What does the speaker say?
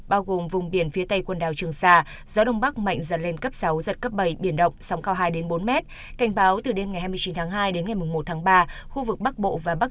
bao gồm vùng biển phía tây quân đào trường xa gió đông bắc mạnh dần lên cấp sáu dần cấp bảy biển động sóng cao hai bốn mét